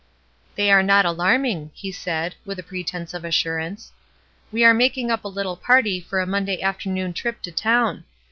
'*They are not alarming," he said, with a pretence of reassurance. "We are making up a Uttle party for a Monday afternoon trip to town.